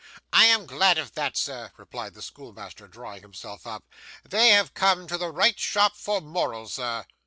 'I am glad of that, sir,' replied the schoolmaster, drawing himself up. 'They have come to the right shop for morals, sir.